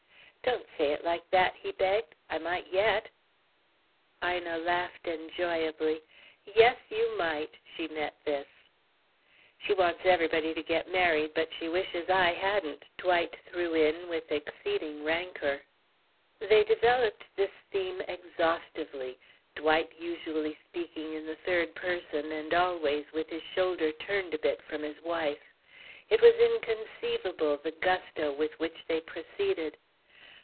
"Don't say it like that," he begged. "I might yet." Ina laughed enjoyably. "Yes, you might!" she met this. "She wants everybody to get married, but she wishes I hadn't," Dwight threw in with exceeding rancour. They developed this theme exhaustively, Dwight usually speaking in the third person and always with his shoulder turned a bit from his wife. It was inconceivable, the gusto with which they proceeded.